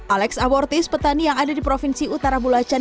alex abortis petani yang ada di provinsi utara bulacan